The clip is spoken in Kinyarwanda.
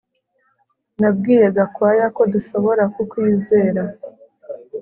Nabwiye Gakwaya ko dushobora kukwizera